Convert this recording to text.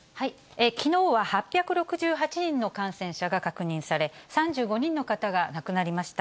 きのうは８６８人の感染者が確認され、３５人の方が亡くなりました。